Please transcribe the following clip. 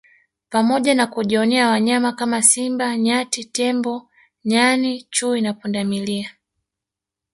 pamoja na kujionea wanyama kama Simba Nyati Tembo Nyani Chui na Pundamilia